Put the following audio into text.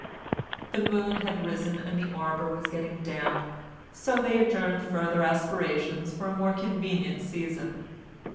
The moon had risen and the arbour was getting damp, so they adjourned further aspirations for a more convenient season.